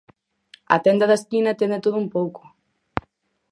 A tenda da esquina ten de todo un pouco.